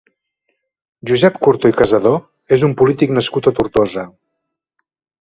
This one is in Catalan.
Josep Curto i Casadó és un polític nascut a Tortosa.